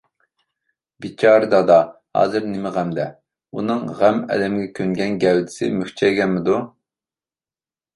بىچارە دادا ھازىر نېمە غەمدە، ئۇنىڭ غەم-ئەلەمگە كۆنگەن گەۋدىسى مۈكچەيگەنمىدۇ؟